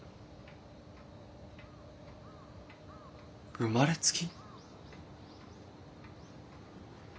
生まれつき？